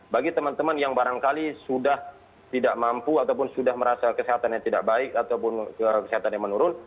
bagi teman teman yang barangkali sudah tidak mampu ataupun sudah merasa kesehatan yang tidak baik ataupun kesehatan yang menurun